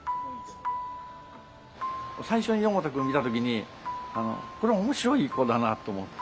最初に四方田くん見た時にこれは面白い子だなと思って。